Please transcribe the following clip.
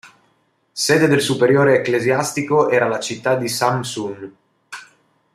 Sede del superiore ecclesiastico era la città di Samsun.